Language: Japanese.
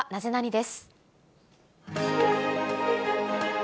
です。